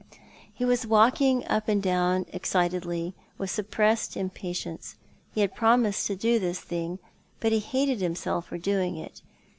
He was walking up and down excitedly, with suppressed impatience. He had promised to do this thing, but he hated himself for doing it.